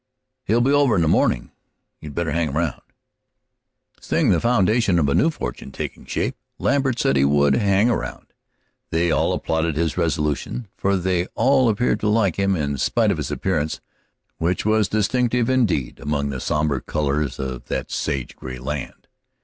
"He'll be over in the morning; you'd better hang around." Seeing the foundation of a new fortune taking shape, Lambert said he would "hang around." They all applauded his resolution, for they all appeared to like him in spite of his appearance, which was distinctive, indeed, among the somber colors of that sage gray land.